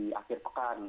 jatuh di akhir pekan